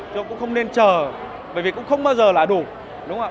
chứ cũng không nên chờ bởi vì cũng không bao giờ là đủ đúng không ạ